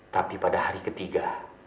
tapi pada hari ketiga